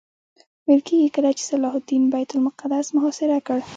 ویل کېږي کله چې صلاح الدین بیت المقدس محاصره کړ.